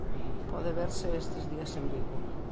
Pode verse estes días en Vigo.